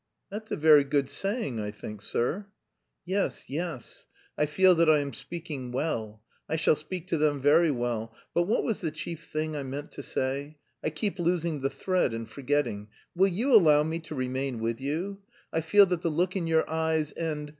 "That's a very good saying, I think, sir." "Yes, yes.... I feel that I am speaking well. I shall speak to them very well, but what was the chief thing I meant to say? I keep losing the thread and forgetting.... Will you allow me to remain with you? I feel that the look in your eyes and...